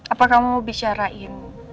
apa kamu mau bicarain